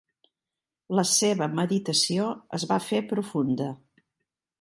La seva meditació es va fer profunda.